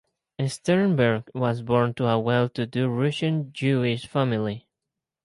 Sternberg was born to a well-to-do Russian-Jewish family.